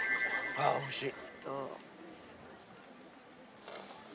あおいしい。